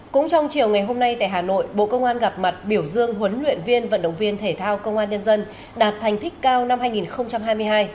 cũng trong chiều ngày hôm nay tại hà nội bộ công an gặp mặt biểu dương huấn luyện viên vận động viên thể thao công an nhân dân đạt thành tích cao năm hai nghìn hai mươi hai